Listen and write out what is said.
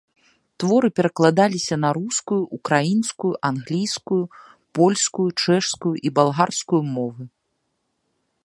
Творы перакладаліся на рускую, украінскую, англійскую, польскую, чэшскую і балгарскую мовы.